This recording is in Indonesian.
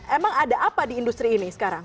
emang ada apa di industri ini sekarang